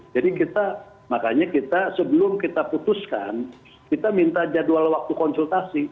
jadi kita makanya kita sebelum kita putuskan kita minta jadwal waktu konsultasi